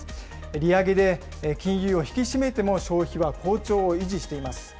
利上げで金融を引き締めても消費は好調を維持しています。